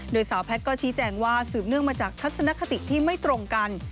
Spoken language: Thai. โดยสาวแพทย์ก็ชี้แจงว่าสืบเนื่องมาจากทัศนคติที่ไม่ตรงกัน